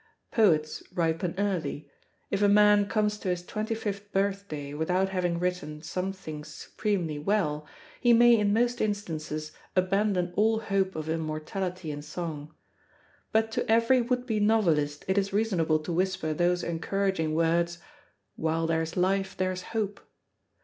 Poets ripen early; if a man comes to his twenty fifth birthday without having written some things supremely well, he may in most instances abandon all hope of immortality in song; but to every would be novelist it is reasonable to whisper those encouraging words, "while there's life there's hope."